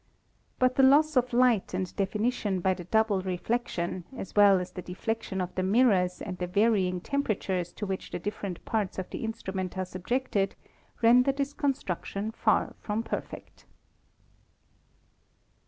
But the loss of light and defini tion by the double reflection, as well as the deflection of the mirrors and the varying temperatures to which the different parts of the instrument are subjected, render this construction far from perfect.